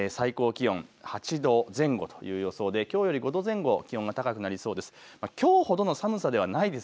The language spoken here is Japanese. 最高気温８度前後という予想できょうより５度前後気温が高くなりそうです。